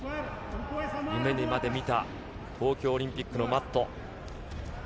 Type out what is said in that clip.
夢にまで見た東京オリンピックのマット。